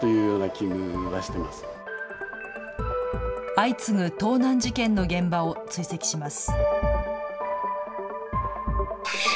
相次ぐ盗難事件の現場を追跡します。